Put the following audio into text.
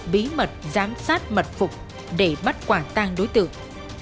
bí mật giám sát mật phục để bắt quả tang đối tượng